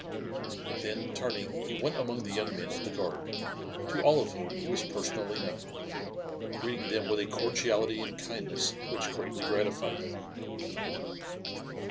Then turning, he went among the young men of the guard, to all of whom he was personally known, greeting them with a cordiality and kindness which greatly gratified them.